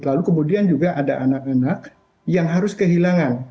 lalu kemudian juga ada anak anak yang harus kehilangan